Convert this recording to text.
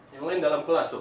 yang lain dalam kelas tuh